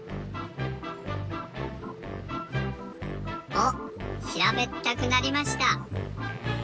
おっひらべったくなりました。